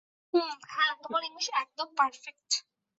উম, হ্যাঁ, তোমার ইংলিশ একদম পারফেক্ট।